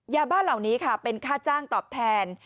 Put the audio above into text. ยาบ้านเหล่านี้ค่ะเป็นค่าจ้างตอบแทน